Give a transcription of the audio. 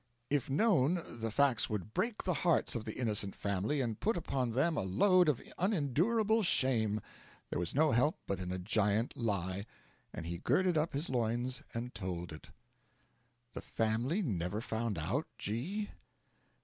If know the facts would break the hearts of the innocent family and put upon them a load of unendurable shame. There was no help but in a giant lie, and he girded up his loins and told it. 'The family never found out, G